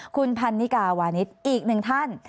คุณพันนิกาวานิสอีกหนึ่งท่าน